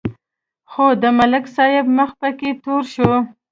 خو د ملک صاحب مخ پکې تور شو.